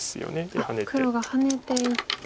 黒がハネていって。